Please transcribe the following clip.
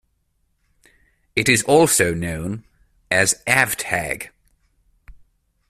It is also known as avtag.